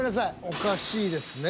おかしいですね。